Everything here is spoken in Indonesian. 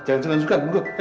jangan selanjutkan tunggu